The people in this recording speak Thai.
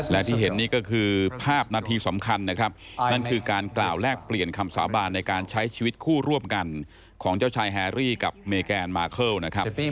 และที่เห็นนี่ก็คือภาพนาทีสำคัญนะครับนั่นคือการกล่าวแลกเปลี่ยนคำสาบานในการใช้ชีวิตคู่ร่วมกันของเจ้าชายแฮรี่กับเมแกนมาเคิลนะครับ